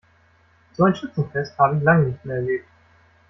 So ein Schützenfest habe ich lange nicht mehr erlebt.